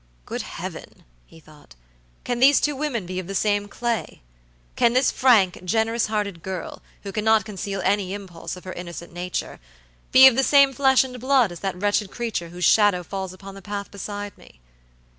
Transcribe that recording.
"Good Heaven!" he thought, "can these two women be of the same clay? Can this frank, generous hearted girl, who cannot conceal any impulse of her innocent nature, be of the same flesh and blood as that wretched creature whose shadow falls upon the path beside me!"